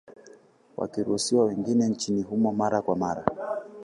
Wakiruhusiwa waingie nchini humo mara kwa mara